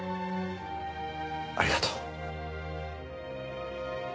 ありがとう。